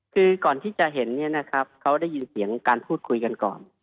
คือก่อนที่จะเห็นเนี่ยนะครับเขาได้ยินเสียงการพูดคุยกันก่อน